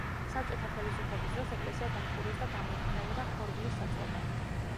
საბჭოთა ხელისუფლების დროს ეკლესია დახურეს და გამოიყენებოდა ხორბლის საწყობად.